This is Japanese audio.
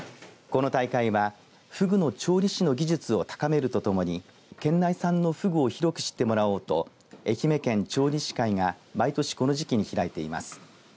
この大会は、ふぐの調理師の技術を高めるとともに県内産のふぐを広く知ってもらおうと愛媛県調理師会が毎年、この時期に開いています。